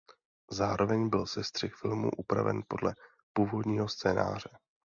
Zároveň byl sestřih filmu upraven podle původního scénáře.